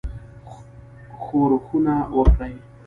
ښورښونه وکړي.